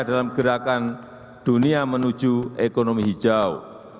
dalam gerakan dunia menuju ekonomi hijau